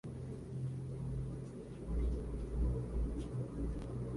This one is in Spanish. Habita en las Isla de Lord Howe.